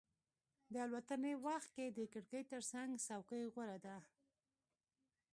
د الوتنې وخت کې د کړکۍ ترڅنګ څوکۍ غوره ده.